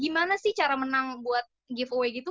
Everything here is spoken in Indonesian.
gimana sih cara menang buat giveaway gitu